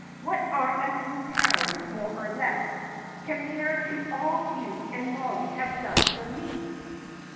What are a few pounds, more or less, compared to all you and Mollie have done for me?"